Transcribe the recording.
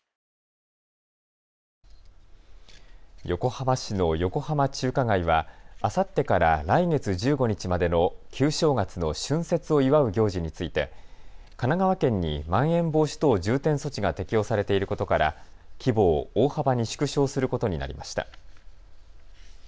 横浜市の横浜中華街はあさってから来月１５日までの旧正月の春節を祝う行事について神奈川県にまん延防止等重点措置が適用されていることから規模を大幅に縮小することになりました。